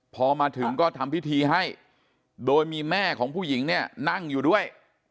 พอมาถึงก็ทำพิธีให้โดยมีแม่ของผู้หญิงเนี่ยนั่งอยู่ด้วย